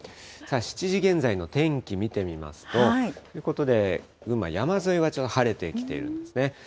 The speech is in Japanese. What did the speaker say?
７時現在の天気見てみますと、ということで、群馬山沿いは晴れてきているんですね。